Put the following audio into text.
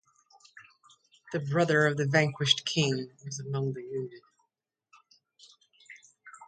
The brother of the vanquished king was among the wounded.